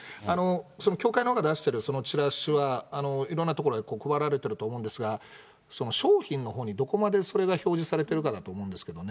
その協会のほうが出しているそのちらしは、いろんな所に配られてると思うんですが、商品のほうにどこまでそれが表示されているかだと思うんですけどね。